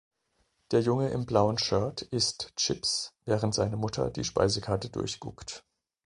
Der Junge im blauen Shirt isst Chips, während seine Mutter die Speisekarte durchguckt.